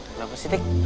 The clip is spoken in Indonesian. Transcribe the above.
kenapa sih tik